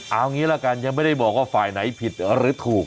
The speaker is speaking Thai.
เอางี้ละกันยังไม่ได้บอกว่าฝ่ายไหนผิดหรือถูก